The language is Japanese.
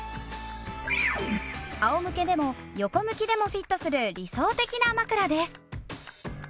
仰向けでも横向きでもフィットする理想的な枕です。